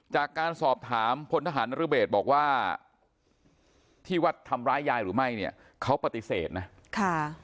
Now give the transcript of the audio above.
จากการสอบถามพลทหารนรเบศบอกว่าที่วัดทำร้ายยายหรือไม่เนี่ยเขาปฏิเสธนะค่ะ